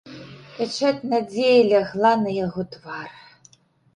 Пячаць надзеі лягла на яго твар.